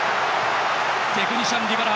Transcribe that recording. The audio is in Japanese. テクニシャンのディバラ。